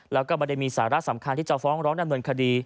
แล้วก็ไม่ได้มีสาระสำคัญที่จะฟ้องร้องดำเนินคดี